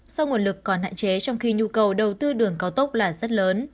do nguồn lực còn hạn chế trong khi nhu cầu đầu tư đường cao tốc là rất lớn